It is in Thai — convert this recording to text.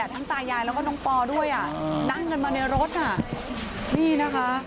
ตายายแล้วก็น้องปอด้วยอ่ะนั่งกันมาในรถอ่ะนี่นะคะ